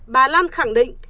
bà lan khẳng định